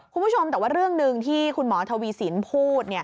คุณผู้ชมแต่ว่าเรื่องหนึ่งที่คุณหมอทวีสินพูด